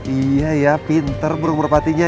iya ya pinter burung merpatinya